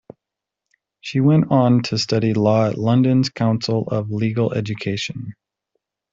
She went on to study Law at London's Council of Legal Education.